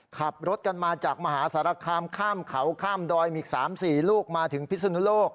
ขับรถกันมาจากมหาสารคามข้ามเขาข้ามดอยมีอีก๓๔ลูกมาถึงพิศนุโลก